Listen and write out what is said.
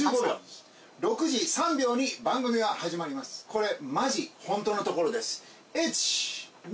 これマジホントのところです